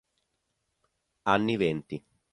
Anni venti.